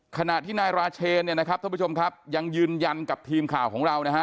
ขณะที่นายราเชนเนี่ยนะครับท่านผู้ชมครับยังยืนยันกับทีมข่าวของเรานะฮะ